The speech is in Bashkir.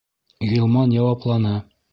Ғилман яуапланы: